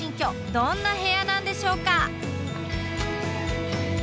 どんな部屋なんでしょうか？